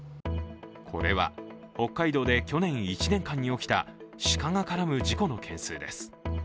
これは北海道で去年１年間に起きた鹿が絡む事故の件数です。